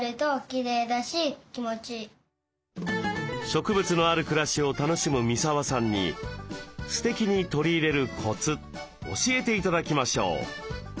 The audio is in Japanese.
植物のある暮らしを楽しむ三沢さんに「ステキに取り入れるコツ」教えて頂きましょう。